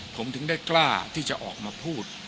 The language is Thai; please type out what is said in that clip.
ผมถึงได้กล้าที่จะออกมาพูด